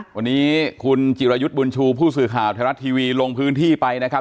วันนี้คุณจิรายุทธ์บุญชูผู้สื่อข่าวไทยรัฐทีวีลงพื้นที่ไปนะครับ